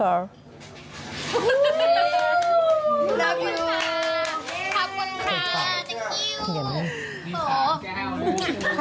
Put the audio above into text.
ขอบคุณค่ะขอบคุณค่ะขอบคุณค่ะขอบคุณ